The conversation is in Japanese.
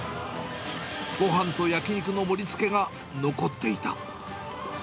ごはんと焼き肉の盛りつけが残っていた。